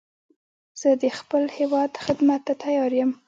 زه د خپل هېواد خدمت ته تیار یم